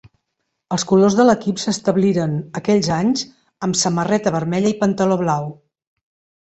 Els colors de l'equip s'establiren aquells anys amb samarreta vermella i pantaló blau.